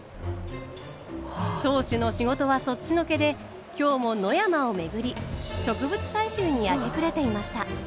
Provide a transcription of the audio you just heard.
当主の仕事はそっちのけで今日も野山を巡り植物採集に明け暮れていました。